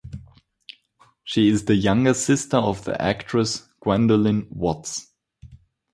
She is the younger sister of the actress Gwendolyn Watts.